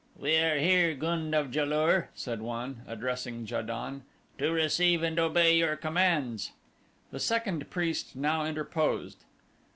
"We are here, gund of Ja lur," said one, addressing Ja don, "to receive and obey your commands." The second priest now interposed.